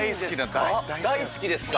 大好きですから。